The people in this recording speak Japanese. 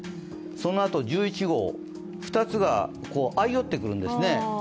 そのあと１１号、２つが相寄ってくるんですね。